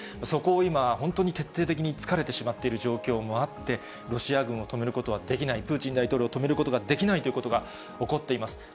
そこを今、本当に徹底的に突かれてしまっている状況もあって、ロシア軍を止めることはできない、プーチン大統領を止めることができないということが起こっています。